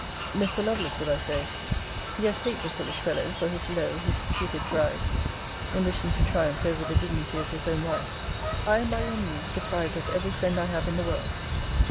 'Mr. Lovelace,' would I say; yet hate the foolish fellow for his low, his stupid pride, in wishing to triumph over the dignity of his own wife; 'I am by your means deprived of every friend I have in the world.